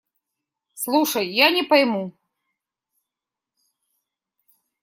Слушай… Я не пойму.